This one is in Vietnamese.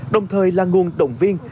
đồng thời là nguồn động viên